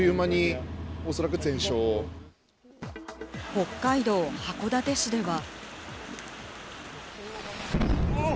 北海道函館市では。